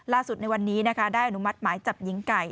ล่าสุดในวันนี้ได้อนุมัติหมายจับหญิงไก่